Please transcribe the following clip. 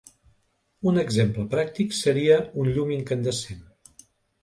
Un exemple pràctic seria un llum incandescent.